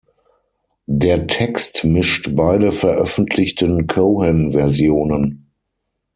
Der Text mischt beide veröffentlichten Cohen-Versionen.